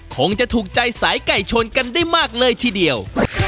คงจะถูกใจสายไก่ชนกันได้มากเลยทีเดียว